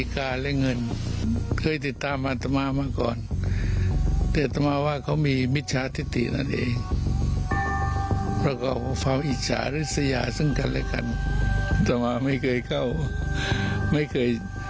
เค้าก็ไม่เคยพื่นพระจาราศิกะไม่เคย